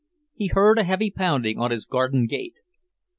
He heard a heavy pounding on his garden gate.